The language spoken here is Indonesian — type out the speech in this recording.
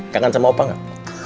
kangen sama opa gak